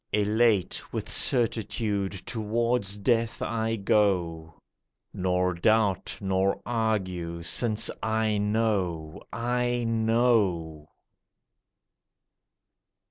Elate with certitude towards death I go, Nor doubt, nor argue, since I know, I know!